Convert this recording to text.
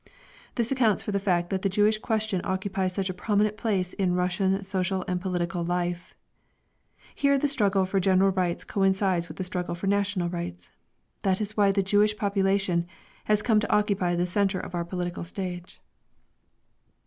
This accounts for the fact that the Jewish question occupies such a prominent place in Russian social and political life. Here the struggle for general rights coincides with the struggle for national rights. That is why the Jewish problem has come to occupy the centre of our political stage.